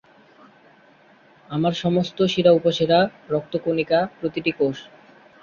আমার সমস্ত শিরা উপশিরা, রক্ত কণিকা, প্রতিটি কোষ -